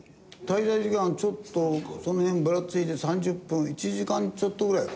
滞在時間ちょっとその辺ぶらついて３０分１時間ちょっとぐらいかな。